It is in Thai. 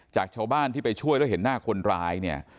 จากชาวบ้านที่ไปช่วยแล้วเห็นหน้าคนร้ายเนี่ย